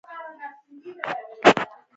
کروندګر د فصلونو د بدلون سره ځان عیاروي